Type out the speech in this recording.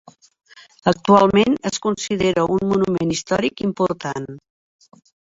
Actualment es considera un monument històric important.